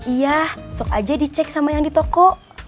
iya sok aja dicek sama yang di toko